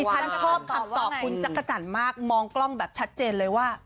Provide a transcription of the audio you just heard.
ฉันชอบคำตอบคุณจักรจันทร์มากมองกล้องแบบชัดเจนเลยว่า